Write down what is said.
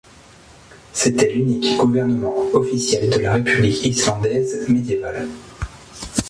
C’était l’unique gouvernement officiel de la république islandaise médiévale.